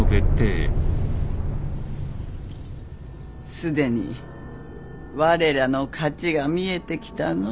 すでに我らの勝ちが見えてきたのう。